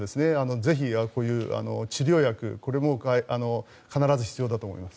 ぜひ、こういう治療薬これも必ず必要だと思います。